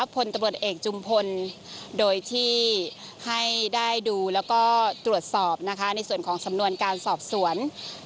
พลตำรวจเอกจุมพลโดยที่ให้ได้ดูแล้วก็ตรวจสอบนะคะในส่วนของสำนวนการสอบสวน